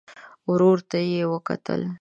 ورور ته يې وکتل.